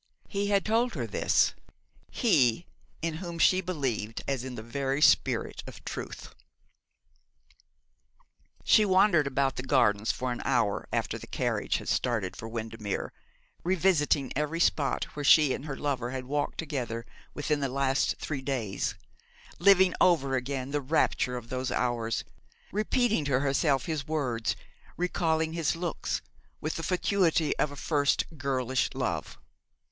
He had told her this he, in whom she believed as in the very spirit of truth. She wandered about the gardens for an hour after the carriage had started for Windermere, revisiting every spot where she and her lover had walked together within the last three days, living over again the rapture of those hours, repeating to herself his words, recalling his looks, with the fatuity of a first girlish love.